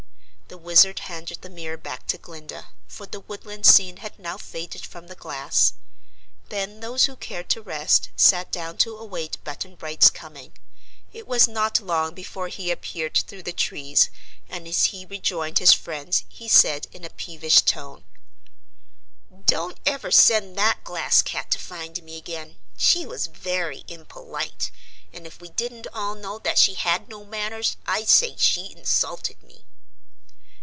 The Wizard handed the mirror back to Glinda, for the woodland scene had now faded from the glass. Then those who cared to rest sat down to await Button Bright's coming. It was not long before hye appeared through the trees and as he rejoined his friends he said in a peevish tone: "Don't ever send that Glass Cat to find me again. She was very impolite and, if we didn't all know that she had no manners, I'd say she insulted me."